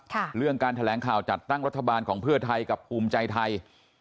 เรื่องการแถลงข่าวจัดตั้งรัฐบาลของเพื่อไทยกับภูมิใจไทย